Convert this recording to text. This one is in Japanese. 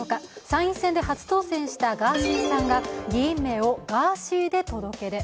参院選で初当選したガーシーさんが議員名をガーシーで届け出。